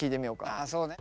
ああそうね。